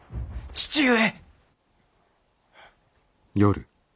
父上！